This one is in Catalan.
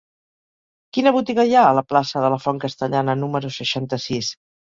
Quina botiga hi ha a la plaça de la Font Castellana número seixanta-sis?